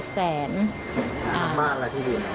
ทั้งบ้านและที่ดิน